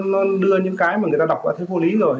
nó đưa những cái mà người ta đọc đã thấy vô lý rồi